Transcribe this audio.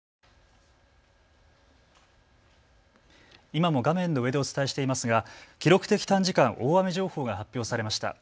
今も画面の上でお伝えしていますが記録的短時間大雨情報が発表されました。